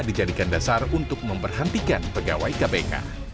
dijadikan dasar untuk memberhentikan pegawai kpk